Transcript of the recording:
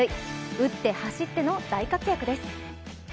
打って走っての大活躍です。